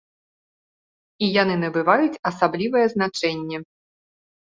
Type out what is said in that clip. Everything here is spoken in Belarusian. І яны набываюць асаблівае значэнне.